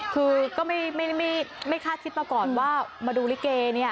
คือก็ไม่คาดคิดมาก่อนว่ามาดูลิเกเนี่ย